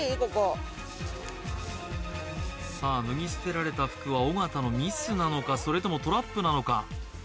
ここさあ脱ぎ捨てられた服は尾形のミスなのかそれともトラップなのか